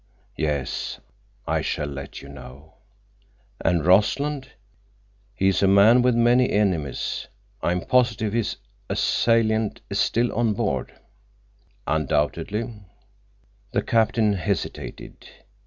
"Yes, I shall let you know." "And Rossland. He is a man with many enemies. I am positive his assailant is still on board." "Undoubtedly." The captain hesitated.